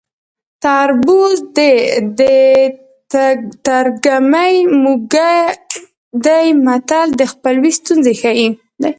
تربور د ترږمې موږی دی متل د خپلوۍ ستونزې ښيي